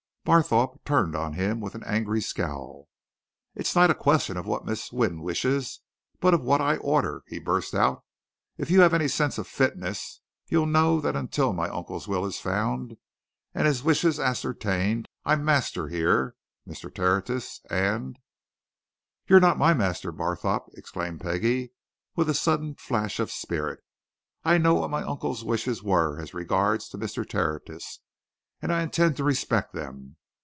Barthorpe turned on him with an angry scowl. "It's not a question of what Miss Wynne wishes, but of what I order," he burst out. "If you've any sense of fitness, you'll know that until my uncle's will is found and his wishes ascertained I'm master here, Mr. Tertius, and " "You're not my master, Barthorpe," exclaimed Peggie, with a sudden flash of spirit. "I know what my uncle's wishes were as regards Mr. Tertius, and I intend to respect them.